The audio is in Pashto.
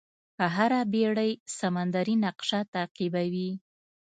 هره بېړۍ سمندري نقشه تعقیبوي.